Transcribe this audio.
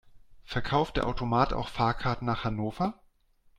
Verkauft der Automat auch Fahrkarten nach Hannover?